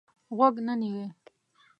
غوږ نه نیوی.